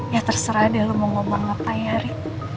ya terserah deh lo mau ngomong apa ya ri